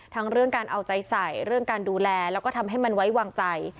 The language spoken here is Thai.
ทั้งเรื่องการเอาใจใส่เรื่องการดูแลแล้วก็ทำให้มันไว้วางใจ